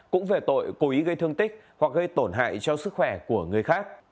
cũng về tội cố ý gây thương tích hoặc gây tổn hại cho sức khỏe của người khác